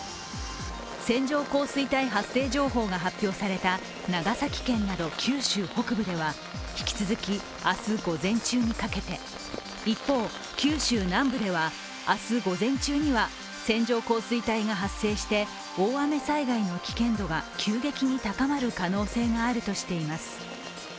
線状降水帯発生情報が発表された長崎県など九州北部では、引き続き明日午前中にかけて、一方九州南部では明日午前中には線状降水帯が発生して大雨災害の危険度が急激に高まる可能性があるとしています。